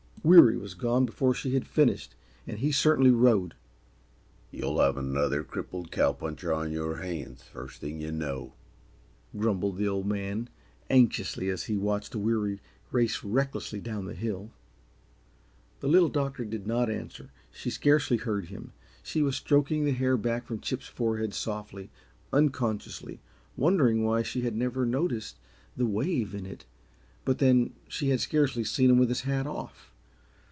Weary was gone before she had finished, and he certainly "rode." "You'll have another crippled cow puncher on yer hands, first thing yuh know," grumbled the Old Man, anxiously, as he watched Weary race recklessly down the hill. The Little Doctor did not answer. She scarcely heard him. She was stroking the hair back from Chip's forehead softly, unconsciously, wondering why she had never before noticed the wave in it but then, she had scarcely seen him with his hat off.